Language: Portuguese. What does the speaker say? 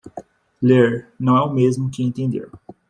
Ler não é o mesmo que entender.